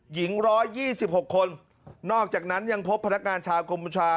หญิงร้อยยี่สิบหกคนนอกจากนั้นยังพบพนักงานชาวกรมชา